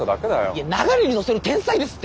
いや流れに乗せる天才ですって！